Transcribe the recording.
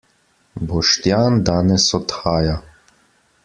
Boštjan danes odhaja.